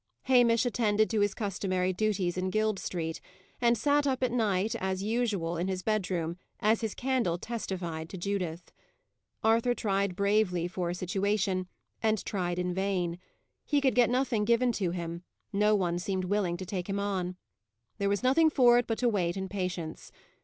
Hamish attended to his customary duties in Guild Street, and sat up at night as usual in his bedroom, as his candle testified to Judith. Arthur tried bravely for a situation, and tried in vain; he could get nothing given to him no one seemed willing to take him on. There was nothing for it but to wait in patience.